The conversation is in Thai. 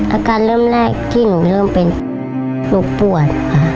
อาการเริ่มแรกที่หนูเริ่มเป็นลูกปวด